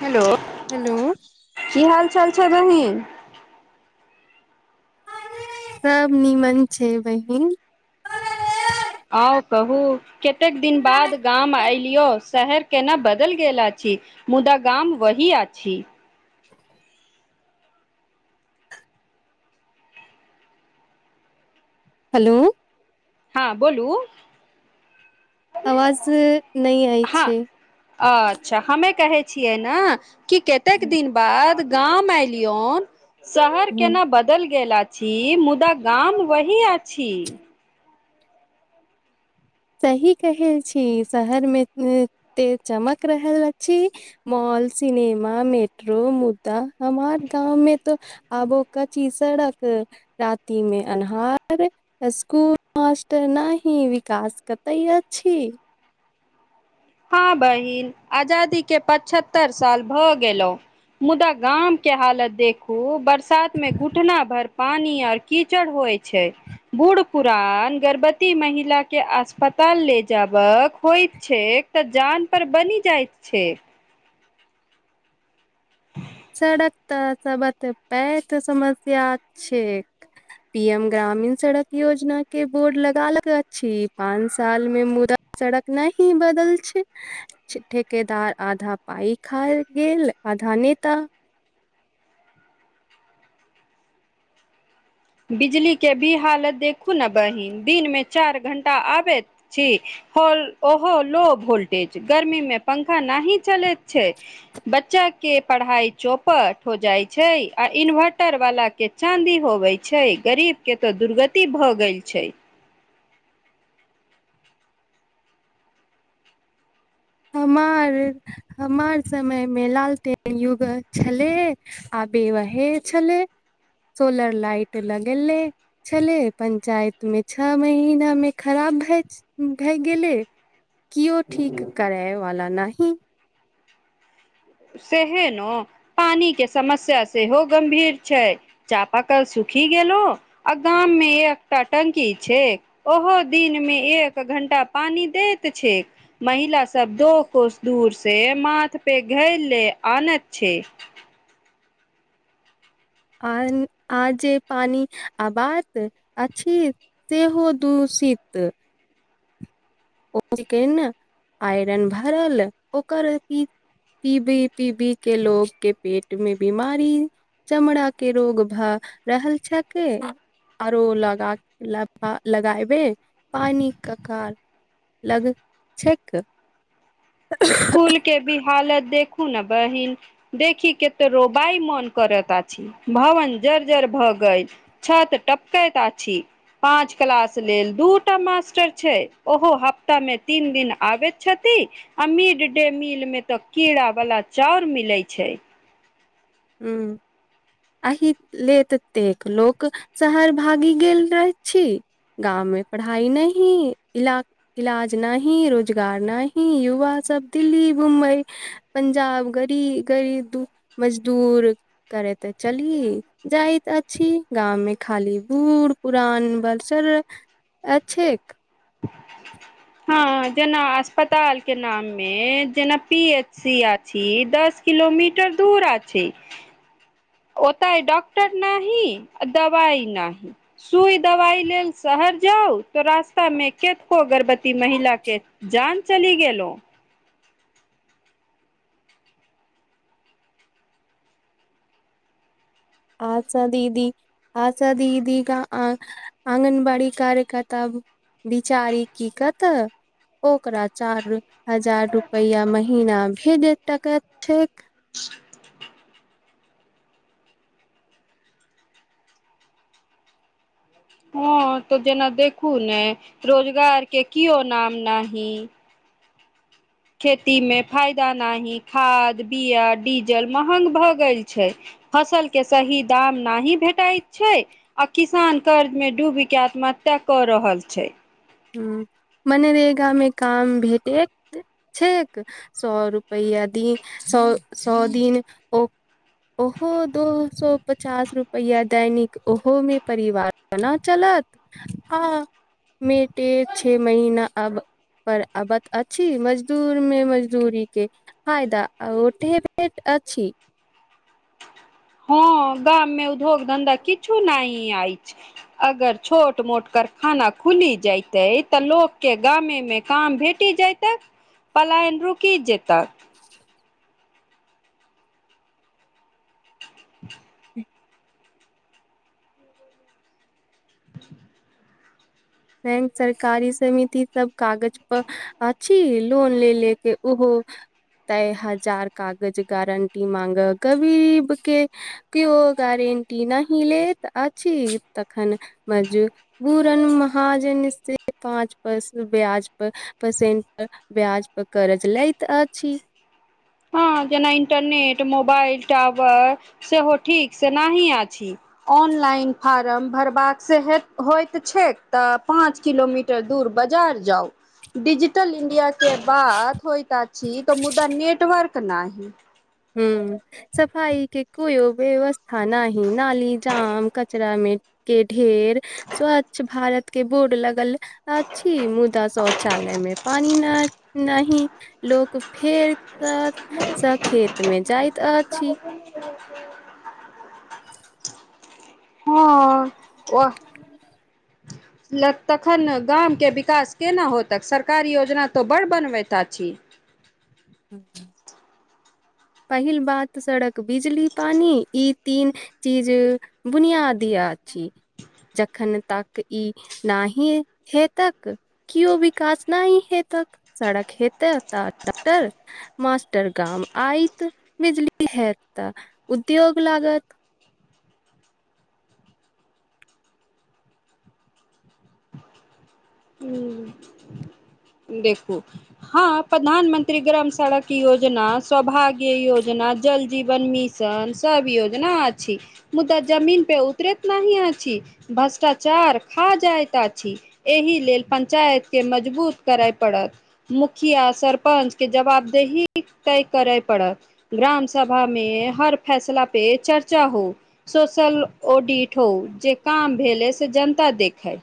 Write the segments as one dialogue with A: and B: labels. A: Hello
B: hello
A: की हाल चाल छै बहीन
B: सब नीमन छै बहिन।
A: आउ कहू कतेक दिन बाद गाम एऐलियौ शहर केना बदल गेल अति। मुदा गाम वही अछि-
B: हेलो
A: हँ बोलू
B: आवाज नहि आइ
A: हँ
B: छैक
A: अच्छा हमे कहैत छियै ने कि कतेक दिन बाद गाँंम एलियोन शहर
B: ह
A: केना बदल गेल अछि। छी मुदा गाम वही अछि।
B: सही कहै छी शहर मे ते चमक रहल अछि। सिनेमा मेट्रो मुद्दा हमार गाँव मे तऽ आबो कची सड़क रति मे अन्हार स्कूल न विकास कतय अछि।
A: हँ बहिन आजादी केँ पचहत्तर साल भऽ गेलहुँ मुदा गामकेँ हालत देखू बरसात मे घुटना भर पानी आऔर कीचड़ हो होइत छैक। बूढ़ पुरान गर्भवती महिलाकेँ अस्पताल ले जेबाक होइत छैक। तऽ जान पर बनि जाइत छैक।
B: सड़क तऽ सब बत पै तऽ समस्य छै [unintelligible] पी एम ग्रामीण सड़क योजना के बोर्ड लगा लक छी पाँच साल मे मुदा सड़क न ही बदल छैक ठेकेदार आधा पाई खाइ गेल। आधा नेता।
A: बिजलीकेँ भी हालत देखू ने बहिन दिनमे चार घंटा आबैत अति। होल ओहो लो वोल्टेज गर्मी मे पंखा नहि चलैत छै बच्चा।। केँ पढ़ाई चौपट हो जाइत छैक आ इन्वर्टर वाला केँ चाँदी होवय छैक। छै गरीब केँ तऽ दुर्गति भऽ गेल छैक।
B: हमार समय मे लालटेन युग छलैक आ इ बेहे छलैक सोलर लाइट लगेले छलै पंचायत मे छह महीना मे खराब भए गेलै किओ ठीक करयवाला नहीं
A: सेहे न पानी के समस्या सेहो गम्भीर छै चापकल सुख खी गेलो आ गाम मे एकटा टंकी छै ओहो दिन मे एक घं टा पानी दैत छै महिला सब दो कोस दूर से माथ पे घैले आनत छै
B: आन आ जे पानी आबैत अछि सेहो दू शीत ओ चिकन आइरन भरल ओकर अथी। पीबी पीबी केँ लोग के पेट मे बीमारी चमड़ाके रोग भऽ रहल छैक। आरो लगा लफा लगेबे पानी ककर [unintelligible] लगैत छैक।
A: स्कूल के भी हालत देखू ने बहिन देखी केते रोबाई मोन करत अछि भवन ज जर भ गेल छत टपकैत अछि पांच क्लास लेल दूटा मास्टर टर छै ओहो हफ्ता मे तीन दिन आबैत छथि आ मिडडे मीलमे तऽ कीड़ावला चाउर मिलैत छैक।
B: ह्म अहि ले ततेक लोक शहर भागि गेल रह छी गाँव मे पढ़ाई नहि इलाज नहि रोजगार नहि युवा सब दिल्ली मुम्बई पंजाब गरी गरीब दु मज दूर करे ते चली जायइत अछि गाम मे खाली बूढ़ पुरा अन बलसर अ छैक
A: [inaudible] हँ जेना अस्पताल के नाम मे जेना पी एच सी आछि दस किलोमीटर दूर आ छै ओतय डॉक्टर नहि दवाइ नहि सुई दवाई लेल सह र जाउ तो रास्ता मे केतको गर्भवती महिला के जान चली गेलो
B: आशा दीदी आशा दीदी क आङगनबाड़ी कार्यक्यकर्ता बिचारी की कतऽ ओकरा चार हजार रुपैआ महीना भेज टकैत छैक
A: हँ तऽ जेना देखू ने रोजगार के किओ नाम नाही खेती मे फायदा न ही खाद बीया डीजल महंग भऽ गेल छै फसल के सही दाम नाही भेटाइत छै आ किसान कर्ज मे डूब के आत्म्य हत्या कऽ रहल छै
B: ह मनरेगा मे काम भेटेत छैक सौ रुपैआ दिन सौ सौ दिन ओ ओहो दो सौ पचास रुपैआ दैनिक ओहो मे परिवार केना चलत आ मेटेर छ महिना अब पर आबत अछि मजदूर मे मजदूरी के फायदा आ उठेबे अछि
A: हँ गाम मे उद्योग धंधा किछु नहि अछि अगर छोट मोट कारखाना खुली जाइतै तऽ लोक के गामे मे काम भेटी जयत पलायन रुकि जता [inaudible] [inaudible]
B: बैंक सरकारी समिति सब कागज पर अछि लोन ले ले के ओहो [unintelligible] तय हजार कागज गारंटी मांगा गरीब के क्यो गारे गेरेंटी नहि लैत अछि तखन मजबुरन म हा जे निहच्ये पांच परसन ब्याज पर परसेंट ब्याज पर कर्ज लेय तऽ अछि
A: हँ जेना मोबाइल टावर सेहो ठीक से नहि अछि लइन फार्म भरबाक से होत छैक तऽ पाँच किलोमीटर दूर बाजार जाउ डिजिटल इंडिया के बात होइत अछि तऽ मुदा नेट नेटवर्क नहि
B: ह सफाइ के कोइ वबेस्था हँ नही नाली जाम कचरा मे के ढेर स्वच्छ भारत के बोड लगल अछि मुदा शौचालय टाइम मे पानी नाहि लोक फेकत सँ खेत खेत मे जाइत अछि
A: [unintelligible] हँ ओह ल तखन गाम के विकास केना होतक सरकारी योजना तऽ बड़ बनबैत अछि [inaudible]
B: [unintelligible]
A: [inaudible]
B: पहिल बात सड़क बिजली पानि ई तीन चीज बुनियाद यत छी जखन तक ई नहि हेतक केयो विकास नहि हेतक त सड़क हेतैक टर मास्टर गाम आयत बिजली हेत तऽ उद्योग लागत
A: [inaudible] देखू हँ प्रधानमंत्री ग्राम सड़क योजना सौभाग्य योजना जल जीवन मिशन सब योजना अछि मुदाऽ जमीन पे उतरैत नहि अछि। भ्रष्टाचार खा जाइत अछि एहि लेल पंचायत केँ मजबूत करय पड़त मुखिया सरपंच केँ जवाबदेही तय करय पड़त ग्रा राम सभा मे हर फैसला पे चर्चा हो सोशल ऑडिट हो जे काम भेल ह से जनता देखय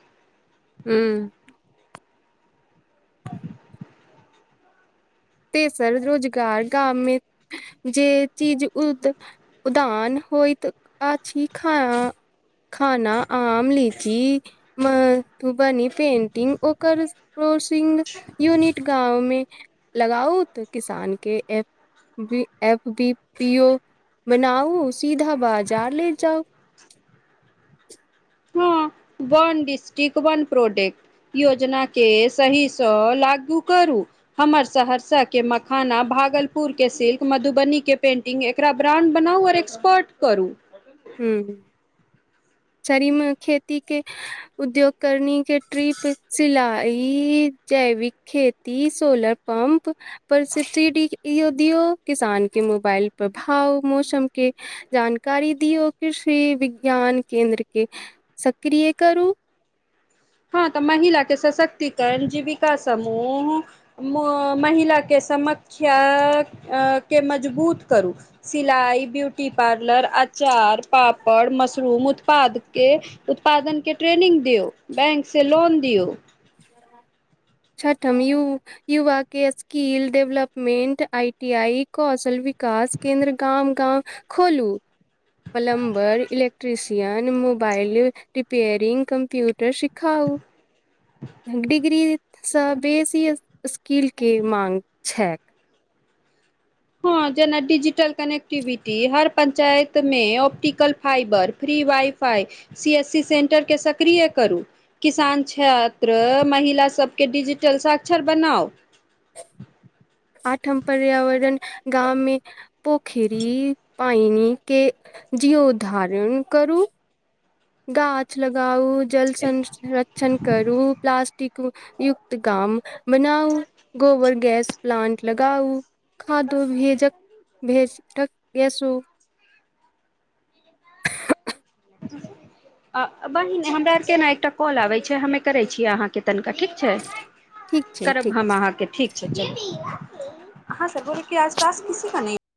B: ह्म तेसर रोजगार गाममे जे चीज उद उदान होय [unintelligible] तऽ आ छी खाय खाना आम लीची मधुबनी पेन्टिंग ओकर सोर्सिंग यूनिट गाँव मे लगाउत किसान केँ ए एबी फ बी पीओ [unintelligible] बनाउ सीधा बाजार ले जाउ
A: हँ वन डिस्ट्रिक्ट वन प्रोडक्ट योजनाकेँ सहीसँ लागू करू हमर सहरसा केंँ मखाना भागलपुर केँ सिल्क मधुबनी केँ पेंटिंग एकरा ब्रान्ड बना एक्सपोट करू
B: ह्म शरीमे खेती के उद्योग करनी के ट्रीप सिलाई जैविक खेती सोलर पंप परससिडी यदियो किसान के मोबाइल प्रभाव मौसमके जानकारी द दिय ओ कृषि विज्ञान केन्द्र केँ सक्रिय करू
A: हँ तऽ महिला केँ सशक्तिकरण जीविका समूह महिला के समख्या केँ मजबूत करू सिलाई ब्यूटी पार्लर आ आचार पापड़ मशरूम उत्पाद उत्पादन केँ ट्रेनिंग दिउ बैंक से लोन द दियौ
B: छठम यु युवा के skill development I T I कौशल विक कास केन्द्र गाम गाम खोलू plumber electrician mobile repairing computer शिक्ष खउ डिग्री [unintelligible] सँ बेसी स्कीलकेँ माँग छैक।
A: हँ जेना डिजिटल कनेक्टिविटी हर पञ्चायत मे optical fibre free wifi C S C centre केँ सक्रिय करू किसान छात्र महिला सबकेँ डिजिटल साक्षर बनाउ।
B: आठम पर्यावरण गाँम मे पोखरी पाइन के जीवधारण करू गाछ लगाउ जल संरक्षण करू प्लास्टिक युक्त गाम बनाउ गोबर गैस प्लांट लगाउ खादो भेजक भेजक यसो
A: [unintelligible] बहिन हमरा आरके ने एकटा कॉल आबैत छै हमे करै छियै अहाँके तनिका ठीक छै
B: ठीक छै ठीक
A: करब हम अहाँके ठीक। हँ सल बोले की आज टखस किसी का नहि [unintelligible]